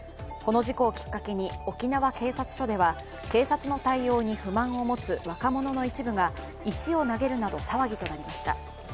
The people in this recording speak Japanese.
この事故をきっかけに沖縄警察署では警察の対応に不満を持つ若者の一部が石を投げるなど騒ぎとなりました。